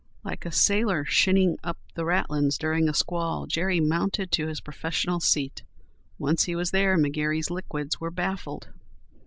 Like a sailor shinning up the ratlins during a squall Jerry mounted to his professional seat. Once he was there McGary's liquids were baffled.